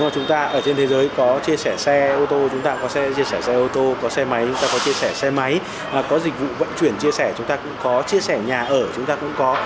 chúng ta ở trên thế giới có chia sẻ xe ô tô chúng ta có xe chia sẻ xe ô tô có xe máy chúng ta có chia sẻ xe máy có dịch vụ vận chuyển chia sẻ chúng ta cũng có chia sẻ nhà ở chúng ta cũng có